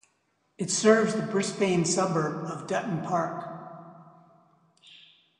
It serves the Brisbane suburb of Dutton Park.